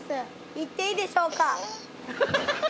行っていいでしょうか？